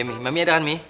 mami ada kan mi